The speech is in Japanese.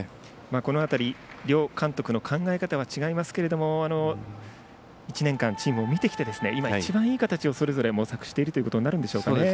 この辺り、両監督の考え方は違いますけども１年間チームを見てきて今、一番いい形をそれぞれ模索していることになるでしょうかね。